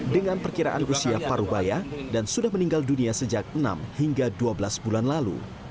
dengan perkiraan usia parubaya dan sudah meninggal dunia sejak enam hingga dua belas bulan lalu